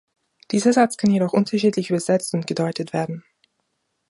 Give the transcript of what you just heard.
Dieser Satz kann jedoch unterschiedlich übersetzt und gedeutet werden.